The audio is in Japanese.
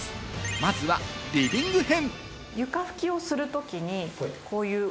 まずはリビング編。